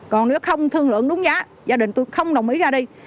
còn nếu không thương lượng đúng giá gia đình tôi không đồng ý ra đi